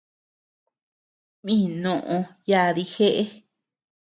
Mí noʼö yadii jeʼe.